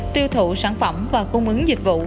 tiêu thụ sản phẩm và cung ứng dịch vụ